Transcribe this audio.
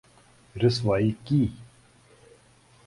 رسوائی کی‘‘۔